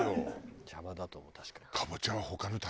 邪魔だと思う確かに。